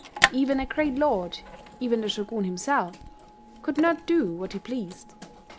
Even a great lord even the Shogun himself could not do what he pleased.